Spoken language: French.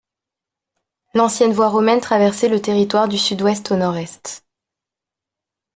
L’ancienne voie romaine traversait le territoire du sud-ouest au nord-est.